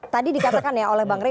tadi dikatakan ya oleh bang rey